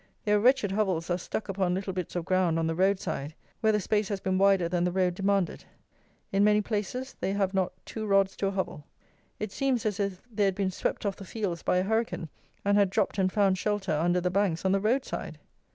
Their wretched hovels are stuck upon little bits of ground on the road side, where the space has been wider than the road demanded. In many places they have not two rods to a hovel. It seems as if they had been swept off the fields by a hurricane, and had dropped and found shelter under the banks on the road side!